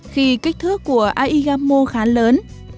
khi kích thước của aigamo khá lớn